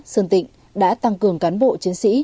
sơn tịnh đã tăng cường cán bộ chiến sĩ